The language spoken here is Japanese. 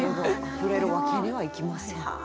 「溢れるわけにはいきません」。